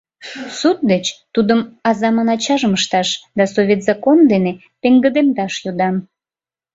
Суд деч тудым азамын ачажым ышташ да Совет закон дене пеҥгыдемдаш йодам».